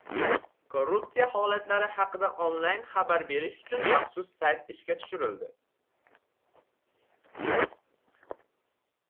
Korrupsiya holatlari haqida onlayn xabar berish uchun maxsus sayt ishga tushirildi